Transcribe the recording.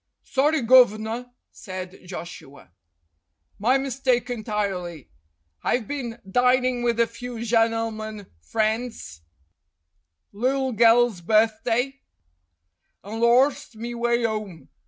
"Sorry, guv'nor," said Joshua. "My mistake en tirely. I've been dinin' with a few genelmen friends HI' gel's birthday and lorst me way 'ome.